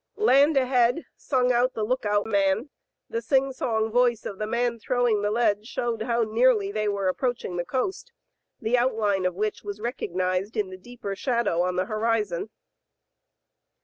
Land ahead," sung out the lookout man,; the sing song voice of the man throwing the lead showed how nearly they were approaching the coast, the outline of which was recognized in the deeper shadow on the horizon.